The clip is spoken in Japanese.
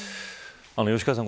吉川さん